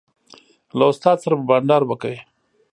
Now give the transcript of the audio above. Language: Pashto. له استاد سره مو بانډار وکړ.